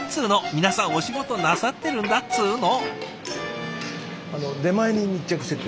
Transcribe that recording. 皆さんお仕事なさってるんだっつの。